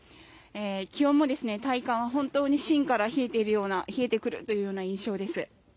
気温も体感は本当に芯から冷えてくるような冷えてくるという印象です。